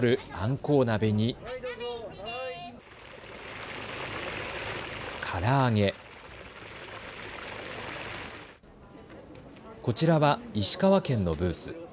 こちらは石川県のブース。